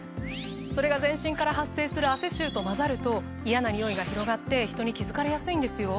それが全身から発生する汗臭と混ざると嫌なニオイが広がって人に気付かれやすいんですよ。